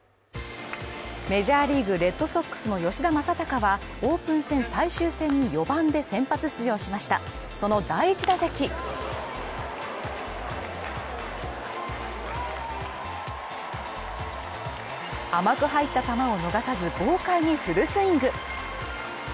メジャーリーグ・レッドソックスの吉田正尚はオープン戦最終戦に４番で先発出場しましたその第１打席甘く入った球を逃さず豪快にフルスイング。